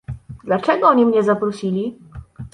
"„Dlaczego oni mnie zaprosili?"